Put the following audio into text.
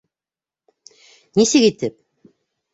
Нисек итеп?